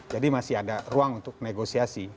jadi masih ada ruang untuk negosiasi